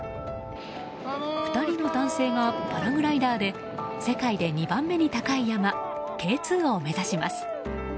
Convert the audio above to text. ２人の男性がパラグライダーで世界で２番目に高い山Ｋ２を目指します。